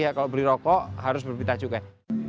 jadi kalau beli rokok harus berpita cukai